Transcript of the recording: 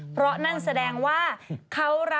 เพราะนั่นแสดงว่า